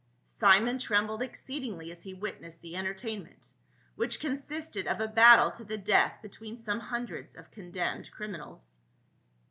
Simon trembled exceedingly as he witnessed the entertainment, which consisted of a battle to the death between some hundreds of condemned criminals.